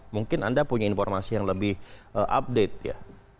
mungkin anda punya informasi yang lebih update ya